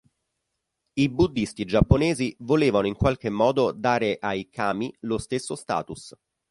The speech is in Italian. I buddhisti giapponesi volevano in qualche modo dare ai "kami" lo stesso status.